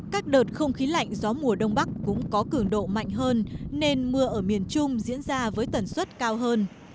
các đợt không khí lạnh gió mùa đông bắc cũng có cường độ mạnh hơn nên mưa ở miền trung diễn ra với tần suất cao hơn